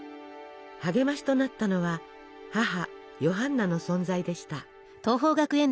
励ましとなったのは母ヨハンナの存在でした。